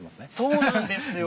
そうなんですよ。